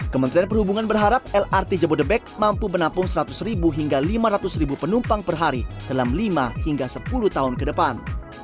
kementerian perhubungan berharap lrt jabodebek mampu menampung seratus ribu hingga lima ratus penumpang per hari dalam lima hingga sepuluh tahun ke depan